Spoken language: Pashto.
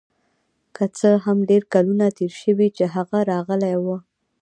که څه هم ډیر کلونه تیر شوي چې هغه راغلی و